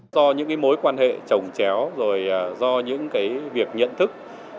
do những mối quan hệ trồng chéo rồi do những việc nhận thức